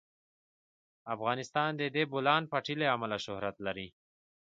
افغانستان د د بولان پټي له امله شهرت لري.